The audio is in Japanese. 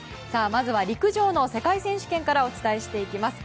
まずは陸上の世界選手権からお伝えします。